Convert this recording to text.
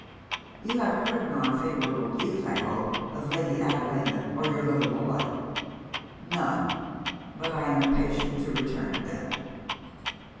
'You have heard no unfavourable news, I hope, of Lady Adelina or your little boy?' 'None. But I am impatient to return to them.'